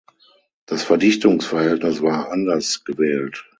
Das Verdichtungsverhältnis war anders gewählt.